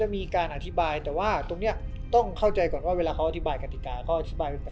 มันสวยงาม